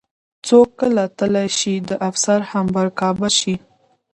څوک کله تلی شي د افسر همرکابه شي.